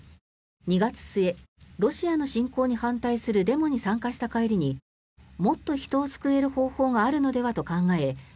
２月末、ロシアの侵攻に反対するデモに参加した帰りにもっと人を救える方法があるのではと考え